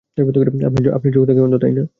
আপনি চোখ থাকতে অন্ধ, তাই না?